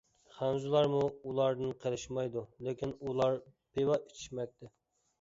خەنزۇلارمۇ ئۇلاردىن قېلىشمايدۇ، لېكىن ئۇلار پىۋا ئىچىشمەكتە.